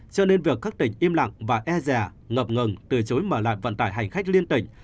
cho nên việc các tỉnh im lặng và e rè ngập ngừng từ chối mở lạt vận tải hành khách liên tỉnh